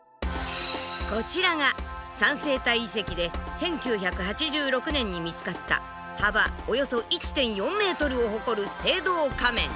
こちらが三星堆遺跡で１９８６年に見つかった幅およそ１．４ｍを誇る青銅仮面。